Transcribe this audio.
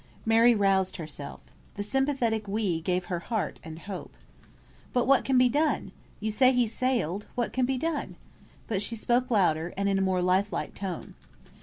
Mary roused herself. The sympathetic "we" gave her heart and hope. "But what can be done? You say he's sailed; what can be done?" But she spoke louder, and in a more life like tone.